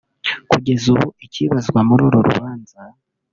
Kugeza ubu ikibazwa muri uru rubanza